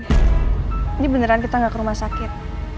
ini beneran kita nggak ke rumah sakit